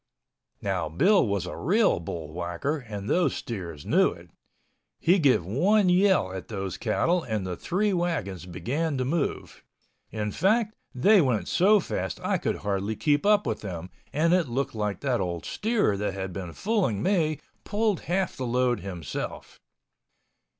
Now Bill was a real bullwhacker and those steers knew it. He give one yell at those cattle and the three wagons began to move; in fact they went so fast I could hardly keep up with them and it looked like that old steer that had been fooling me pulled half the load himself.